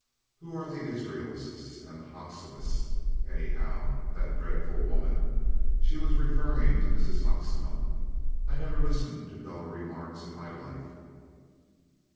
Who are the Israelses and the Hoecksemas, anyhow? That dreadful woman!" (She was referring to Mrs. Hoecksema.) "I never listened to duller remarks in my life."